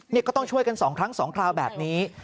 นี่ก็ต้องช่วยกัน๒ครั้ง๒คราวแบบนี้